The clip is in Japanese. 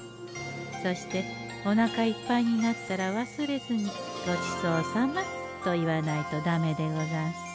そしておなかいっぱいになったら忘れずに「ごちそうさま」と言わないとダメでござんす。